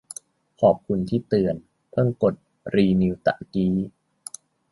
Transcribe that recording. ขอบคุณที่เตือน เพิ่งกดรีนิวตะกี้